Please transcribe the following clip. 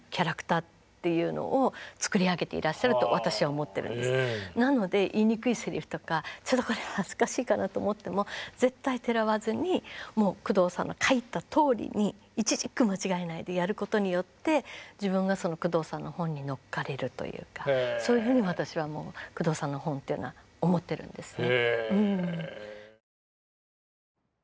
やっぱり自分で一つ心がけているのはなので言いにくいセリフとかちょっとこれは恥ずかしいかなと思っても絶対てらわずにもう宮藤さんが書いたとおりに一字一句間違えないでやることによって自分が宮藤さんの本に乗っかれるというかそういうふうに私は宮藤さんの本というのは思ってるんですね。